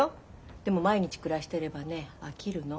でも毎日暮らしてればね飽きるの。